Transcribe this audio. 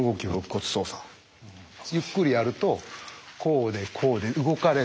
ゆっくりやるとこうでこうで動かれた。